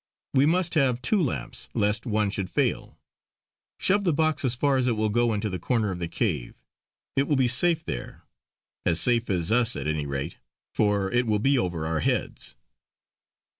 We must have two lamps lest one should fail. Shove the box as far as it will go into the corner of the cave; it will be safe there as safe as us at any rate, for it will be over our heads."